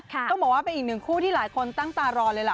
ต้องบอกว่าเป็นอีกหนึ่งคู่ที่หลายคนตั้งตารอเลยล่ะ